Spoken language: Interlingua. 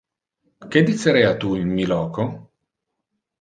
Que dicerea tu in mi loco?